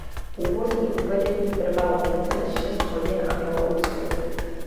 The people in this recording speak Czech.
Původní uvedení trvalo více než šest hodin a mělo úspěch.